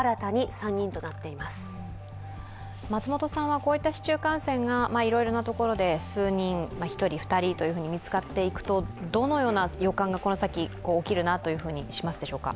こういった市中感染がいろいろなところで数人１人２人と見つかっていくと、どのような予感が起きるなと感じるでしょうか？